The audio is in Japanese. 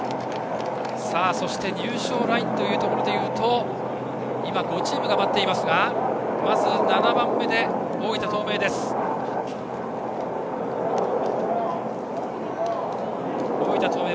そして入賞ラインというところでいうと今、５チームが待っていますがまず７番目で大分東明。